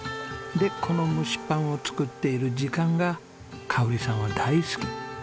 でこの蒸しパンを作っている時間が香織さんは大好き。